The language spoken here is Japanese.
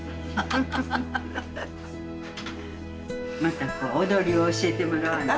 またこう踊りを教えてもらわな。